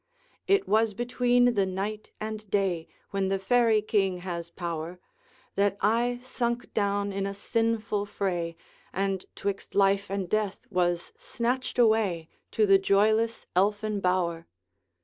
'It was between the night and day, When the Fairy King has power, That I sunk down in a sinful fray, And 'twixt life and death was snatched away To the joyless Elfin bower.